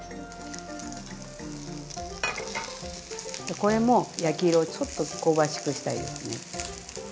これも焼き色をちょっと香ばしくした色にね。